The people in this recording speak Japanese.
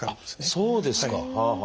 あっそうですか！